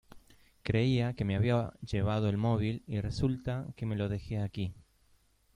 Creía que me había llevado el móvil y resulta que me lo dejé aquí.